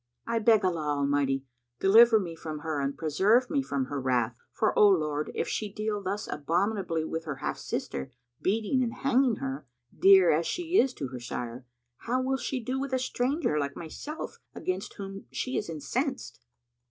I beg Allah Almighty deliver me from her and preserve me from her wrath, for, O Lord, if she deal thus abominably with her half sister, beating and hanging her, dear as she is to her sire, how will she do with a stranger like myself, against whom she is incensed?"